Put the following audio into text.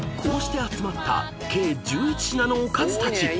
［こうして集まった計１１品のおかずたち］